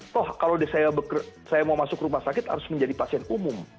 toh kalau saya mau masuk rumah sakit harus menjadi pasien umum